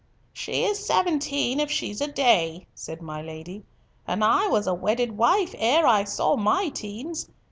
"She is seventeen if she is a day," said my Lady, "and I was a wedded wife ere I saw my teens.